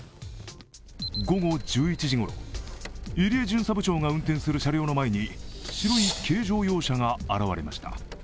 午後１１時ごろ、入江巡査部長が運転する車両の前に白い軽乗用車が現れました。